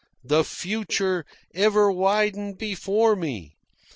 The future ever widened before me.